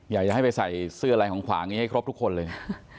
อยากจะให้ไปใส่เสื้ออะไรของขวางอย่างนี้ให้ครบทุกคนเลย